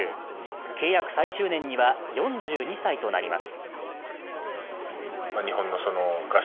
契約最終年には４２歳となります。